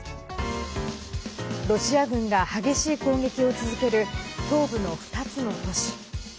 ロシア軍が激しい攻撃を続ける東部の２つの都市。